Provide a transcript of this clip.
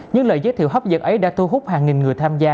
những lời giới thiệu hấp dẫn ấy đã thu hút hàng nghìn người tham gia